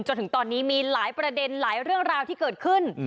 จนถึงตอนนี้มีหลายประเด็นหลายเรื่องราวที่เกิดขึ้น